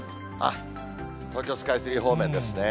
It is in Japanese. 東京スカイツリー方面ですね。